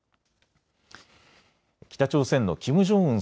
北朝鮮のキム・ジョンウン